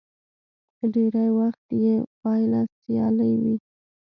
ډېری وخت يې پايله سیالي وي.